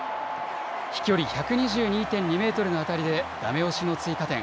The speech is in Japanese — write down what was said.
飛距離１２２．２メートルの当たりでダメ押しの追加点。